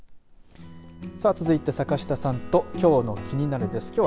さあ続いて坂下さんときょうのキニナル！です。